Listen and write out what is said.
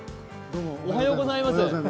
おはようございます。